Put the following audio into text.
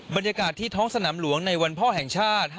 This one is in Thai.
บรรยากาศที่ท้องสนามหลวงในวันพ่อแห่งชาติ